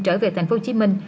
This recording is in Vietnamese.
trở về tp hcm